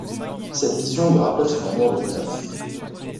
Cette vision lui rappelle son amour de jeunesse.